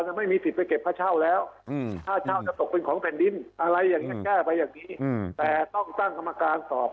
นั้นใครเป็นปฏิรุทิศจังหวัดใครเป็นอยู่ให้ตั้งกรรมการตอบ๑๕๗